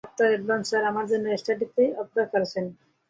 ডঃ Anderson আমার জন্য স্টাডিতে অপেক্ষা করছেন।